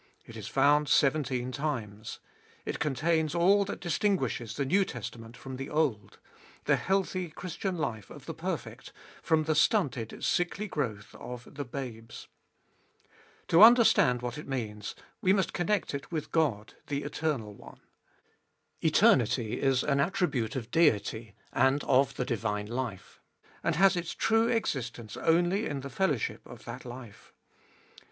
It is found seventeen times. It contains all that distinguishes the New Testament from the Old ; the healthy Christian life of the perfect, from the stunted sickly growth of the babes. To understand what it means we must connect it with God, the eternal One. Eternity is an attribute of Deity and of the divine life, and has its true existence only in the fellow ship of that life.